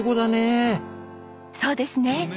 そうですね。